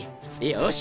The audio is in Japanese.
よし！